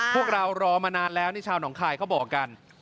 พวกเรารอมานานแล้วนี่ชาวหนองคายเขาบอกกัน